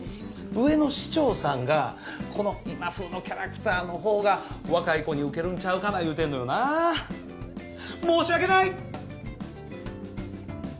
上の市長さんがこの今風のキャラクターの方が若い子にウケるんちゃうかな言うてんのよなあ申し訳ない！